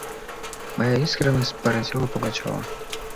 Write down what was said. Моя искренность поразила Пугачева.